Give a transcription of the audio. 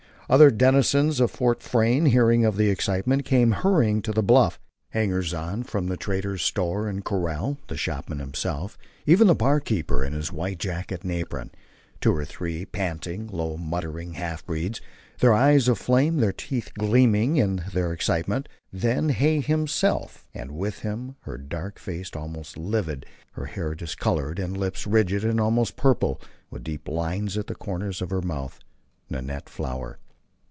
Other denizens of Fort Frayne, hearing of the excitement, came hurrying to the bluff, hangers on from the trader's store and corral, the shopman himself, even the bar keeper in his white jacket and apron; two or three panting, low muttering halfbreeds, their eyes aflame, their teeth gleaming in their excitement; then Hay himself, and with him, her dark face almost livid, her hair disordered and lips rigid and almost purple, with deep lines at the corners of her mouth, Nanette Flower.